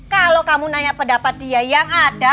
kalau kamu nanya pendapat dia yang ada